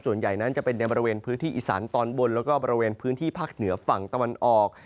ส่วนใหญ่นั้นจะเป็นในบริเวณพื้นที่อีสานตอนบนแล้วก็บริเวณพื้นที่ภาคเหนือฝั่งตะวันออก